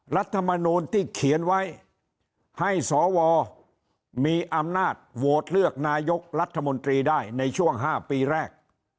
รัฐมนูลที่เขียนไว้ให้สวมีอำนาจโหวตเลือกนายกรัฐมนตรีได้ในช่วง๕ปีแรก